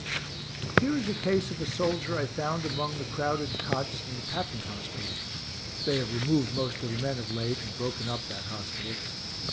Here is a case of a soldier I found among the crowded cots in the Patent hospital (they have removed most of the men of late and broken up that hospital).